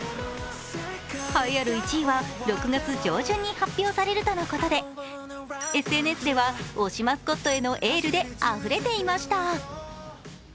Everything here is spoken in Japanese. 栄えある１位は６月上旬に発表されるとのことでＳＮＳでは、推しマスコットへのエールであふれていました。